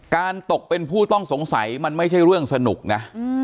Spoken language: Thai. ตกเป็นผู้ต้องสงสัยมันไม่ใช่เรื่องสนุกนะ